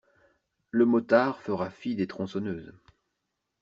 Le motard fera fi des tronçonneuses.